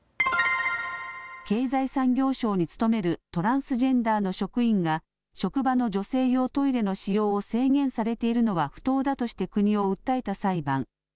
経済産業省に勤めるトランスジェンダーの職員が職場の女性用トイレの使用を制限されているのは不当だとして国を訴えた裁判。